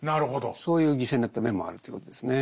そういう犠牲になった面もあるということですね。